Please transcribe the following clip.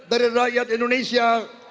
dari rakyat indonesia